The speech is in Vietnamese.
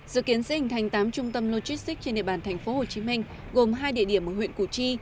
dự kiến sẽ hình thành tám trung tâm logistics trên địa bàn tp hcm gồm hai địa điểm ở huyện củ chi